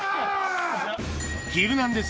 ヒルナンデス！